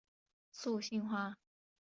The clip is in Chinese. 素兴花